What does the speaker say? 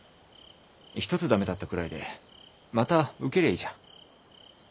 一つ駄目だったくらいでまた受けりゃいいじゃん。